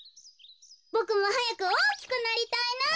ボクもはやくおおきくなりたいな。